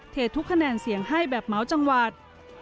เททุกคะแนนเสียงให้แบบเมาส์จังหวัด